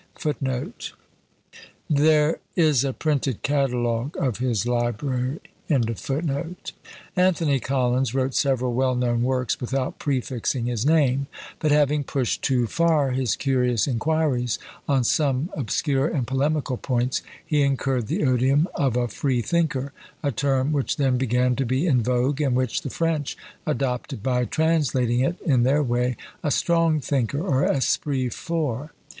Anthony Collins wrote several well known works without prefixing his name; but having pushed too far his curious inquiries on some obscure and polemical points, he incurred the odium of a freethinker, a term which then began to be in vogue, and which the French adopted by translating it, in their way, a strong thinker, or esprit fort.